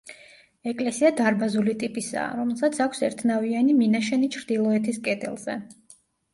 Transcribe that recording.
ეკლესია დარბაზული ტიპისაა, რომელსაც აქვს ერთნავიანი მინაშენი ჩრდილოეთის კედელზე.